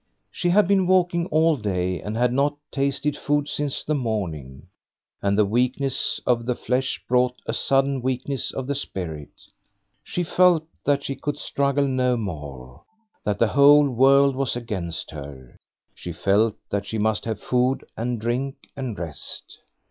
She had been walking all day and had not tasted food since the morning, and the weakness of the flesh brought a sudden weakness of the spirit. She felt that she could struggle no more, that the whole world was against her she felt that she must have food and drink and rest.